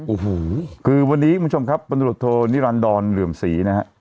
โอ้โหคือวันนี้คุณผู้ชมครับบันตรวจโทนิรันดรเหลื่อมศรีนะฮะ